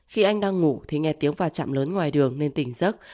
khi anh đang ngủ thì nghe tiếng phà chạm lớn ngoài đường nên tỉnh giấc